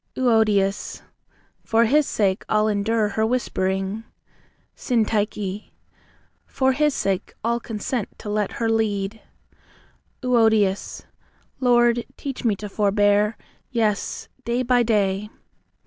EUODIAS. For His sake I'll endure her whispering SYNTYCHE. For His sake I'll consent to let her lead. EUODIAS. Lord, teach me to forbear; yes, day by day.